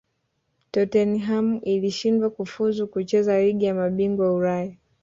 tottenham ilishindwa kufuzu kucheza ligi ya mabingwa ulaya